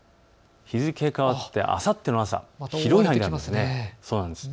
日付が変わってあさっての朝、広い範囲です。